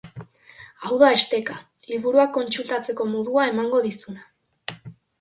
Hau da esteka, liburuak kontsultatzeko modua emango dizuna.